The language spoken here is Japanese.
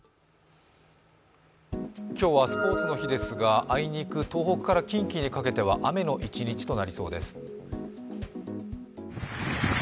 今日はスポーツの日ですが、あいにく東北から近畿にかけては雨の一日となりそうです。